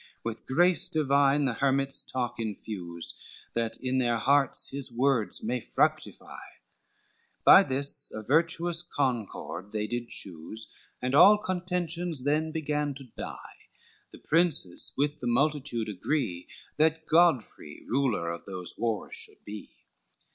With grace divine the hermit's talk infuse, That in their hearts his words may fructify; By this a virtuous concord they did choose, And all contentions then began to die; The Princes with the multitude agree, That Godfrey ruler of those wars should be.